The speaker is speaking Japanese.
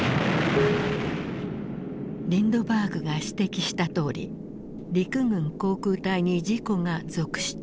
リンドバーグが指摘したとおり陸軍航空隊に事故が続出。